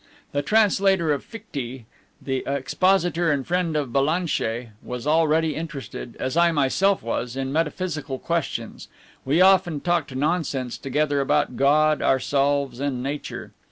The translator of Fichte, the expositor and friend of Ballanche, was already interested, as I myself was, in metaphysical questions; we often talked nonsense together about God, ourselves, and nature.